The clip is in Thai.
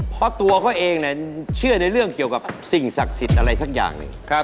เพราะตัวเขาเองเชื่อในเรื่องเกี่ยวกับสิ่งศักดิ์สิทธิ์อะไรสักอย่างหนึ่ง